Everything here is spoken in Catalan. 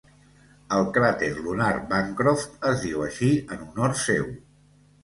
El cràter lunar Bancroft es diu així en honor seu.